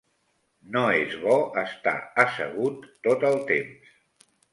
No és bo estar assegut tot el temps.